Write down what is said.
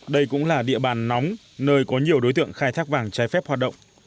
đây cũng là địa bàn nóng nơi có nhiều đối tượng khai thác vàng trái phép hoạt động